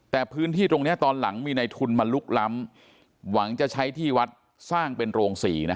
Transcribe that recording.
แต่พื้นที่ตรงนี้ตอนหลังมีในทุนมาลุกล้ำหวังจะใช้ที่วัดสร้างเป็นโรงศรีนะ